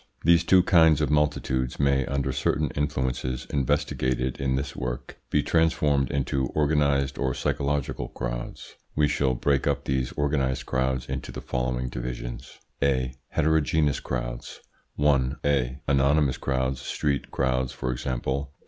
These two kinds of multitudes may, under certain influences investigated in this work, be transformed into organised or psychological crowds. We shall break up these organised crowds into the following divisions: 1. Anonymous crowds (street crowds, for example).